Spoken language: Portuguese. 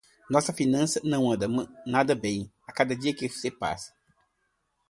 Nossas finanças não andam nada bem, a cada dia que se passa.